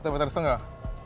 satu meter setengah